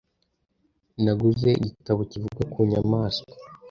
Naguze igitabo kivuga ku nyamaswa .